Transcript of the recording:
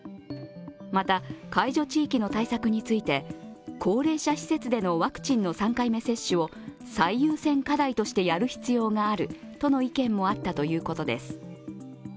また解除地域の対策について、高齢者施設でのワクチンの３回目接種を最優先課題としてやる必要があるとの意見もあったということです。